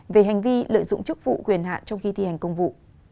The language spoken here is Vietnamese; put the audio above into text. về hành vi lợi dụng chức vụ quyền hạn trong khi thi hành công vụ